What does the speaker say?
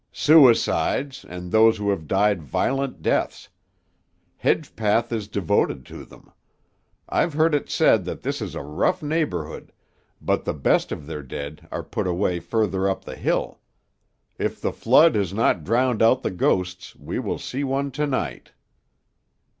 "Suicides, and those who have died violent deaths; Hedgepath is devoted to them. I've heard it said that this is a rough neighborhood, but the best of their dead are put away further up the hill. If the flood has not drowned out the ghosts, we will see one to night."